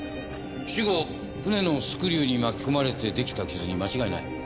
死後船のスクリューに巻き込まれて出来た傷に間違いない。